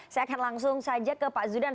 saya akan langsung saja ke pak zudan